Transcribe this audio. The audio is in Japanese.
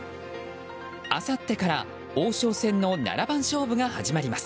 あさってから王将戦の七番勝負が始まります。